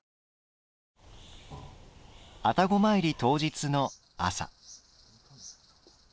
愛宕詣り当日の朝。